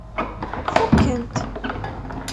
Fukent.